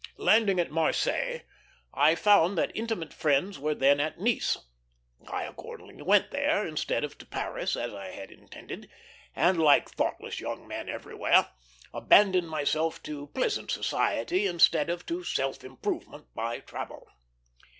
Landing at Marseilles, I found that intimate friends were then at Nice. I accordingly went there, instead of to Paris, as I had intended; and, like thoughtless young men everywhere, abandoned myself to pleasant society instead of to self improvement by travel.